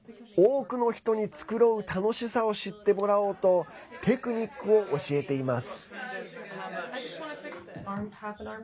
多くの人に繕う楽しさを知ってもらおうとテクニックを教えています。